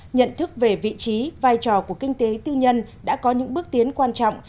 nhận thức về vị trí vai trò của kinh tế tư nhân đã có những bước tiến quan trọng